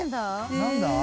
何だ？